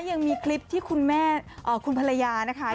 ยังมีคลิปที่คุณแม่คุณภรรยานะคะ